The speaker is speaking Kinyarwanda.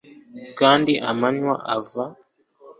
kandi amanywa ava